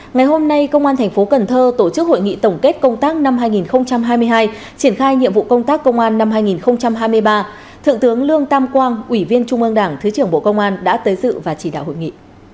ngày hôm nay công an thành phố cần thơ tổ chức hội nghị tổng kết công tác năm hai nghìn hai mươi hai triển khai nhiệm vụ công tác công an năm hai nghìn hai mươi ba thượng tướng lương tam quang ủy viên trung ương đảng thứ trưởng bộ công an đã tới dự và chỉ đạo hội nghị